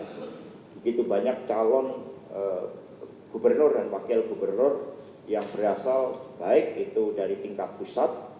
begitu banyak calon gubernur dan wakil gubernur yang berasal baik itu dari tingkat pusat